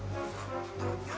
tak ada akibat